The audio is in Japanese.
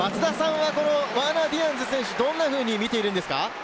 ワーナー・ディアンズ選手は、どんなふうに見ているんですか？